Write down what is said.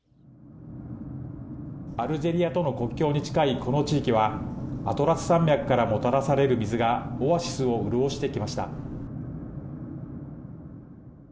アルジェリアとの国境に近いこの地域はアトラス山脈からもたらされる水がオアシスを潤してきました。